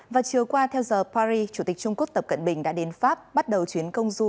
và chiều qua theo giờ paris chủ tịch trung quốc tập cận bình đã đến pháp bắt đầu chuyến công du